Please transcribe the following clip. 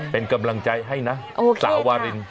เป็นกำลังใจให้นะสาววาริน